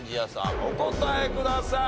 お答えください。